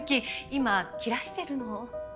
今切らしてるの。